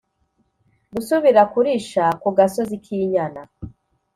gusubira kurisha ku gasozi kw’inyana